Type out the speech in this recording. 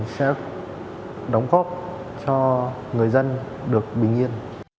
sẽ đóng góp cho người dân được bình yên